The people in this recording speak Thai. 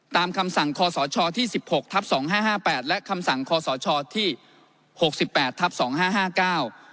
คำสั่งคอสชที่สิบหกทับสองห้าห้าแปดและคำสั่งคอสชที่หกสิบแปดทับสองห้าห้าเก้า